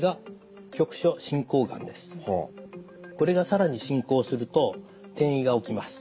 これが更に進行すると転移が起きます。